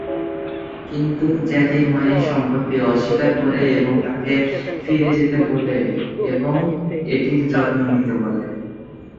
কিন্তু জ্যোতির্ময় এই সম্পত্তি অস্বীকার করে এবং তাকে ফিরে যেতে বলে এবং এটির যত্ন নিতে বলে।